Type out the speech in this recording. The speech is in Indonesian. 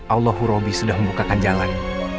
allahu' robi sudah membukakan jalan